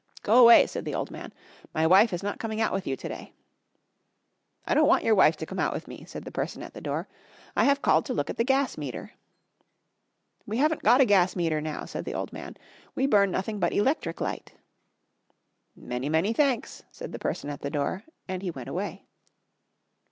"Go away," said the old man. "My wife is not coming out with you to day." "I don't want your wife to come out with me," said the person at the door; "I have called to look at the gas meter." "We haven't got a gas meter now," said the old man, "we burn nothing but electric light." "Many, many thanks," said the person at the door, and he went away.